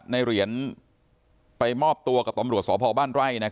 ในเหรียญไปมอบตัวกับตำรวจสพบ้านไร่